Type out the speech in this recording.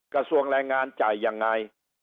กระทรวงแรงงานจ่ายยังไง